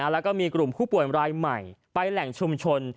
แล้วก็มีกลุ่มผู้ป่วยรายใหม่ไปแหล่งชุมชน